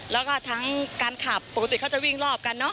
แล้วก็ทั้งการขับปกติเขาจะวิ่งรอบกันเนอะ